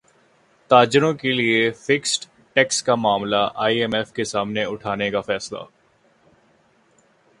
تاجروں کیلئے fixed tax کا معاملہ ائی ایم ایف کے سامنے اٹھانے کا فیصلہ